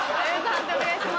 判定お願いします。